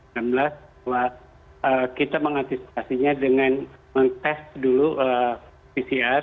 bahwa kita mengantisipasinya dengan mentes dulu pcr